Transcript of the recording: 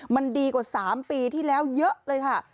มันดีกว่า๓ปีที่แล้วเยอะเลยค่ะ